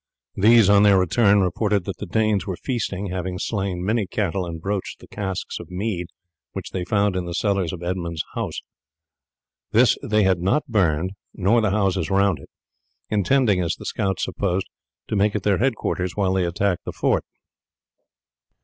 These on their return reported that the Danes were feasting, having slain many cattle and broached the casks of mead which they found in the cellars of Edmund's house. This they had not burned nor the houses around it, intending, as the scouts supposed, to make it their headquarters while they attacked the fort.